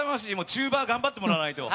チューバも頑張ってもらわないと。